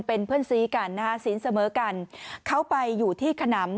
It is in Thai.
เป็นเพื่อนซีกันนะฮะศีลเสมอกันเขาไปอยู่ที่ขนำ